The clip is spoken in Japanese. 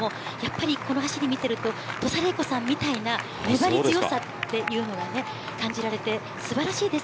この走りを見ていると土佐さんみたいな粘り強さを感じられて素晴らしいです。